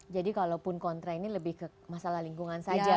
jadi kalaupun kontra ini lebih ke masalah lingkungan saja